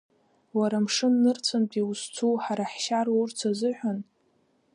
Уара мшыннырцәынтәи узцу, ҳара ҳшьа рурц азыҳәан?